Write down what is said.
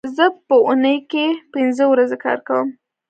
زه په اونۍ کې پینځه ورځې کار کوم